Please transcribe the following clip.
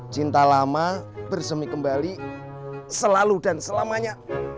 cinta lama bersemi kembali selalu dan selamanya